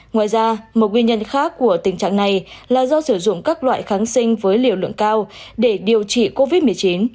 ngoài ra một nguyên nhân khác của tình trạng này là do sử dụng các loại kháng sinh với liều lượng cao để điều trị covid một mươi chín